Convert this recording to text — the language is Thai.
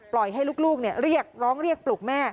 ให้ลูกเรียกร้องเรียกปลุกแม่